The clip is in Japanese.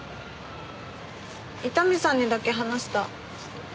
伊丹さんにだけ話した。